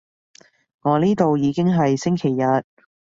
我呢度已經係星期日